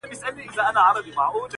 وژني د زمان بادونه ژر شمعي!!!!!